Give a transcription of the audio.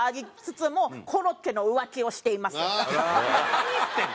何言ってるの？